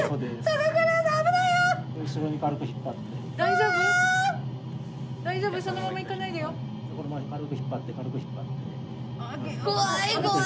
このまま軽く引っ張って軽く引っ張って。